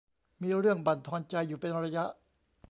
มีเรื่องบั่นทอนใจอยู่เป็นระยะ